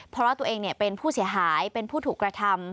เพราะว่าตัวเองเป็นผู้เสียหายเป็นผู้ถูกกระทำ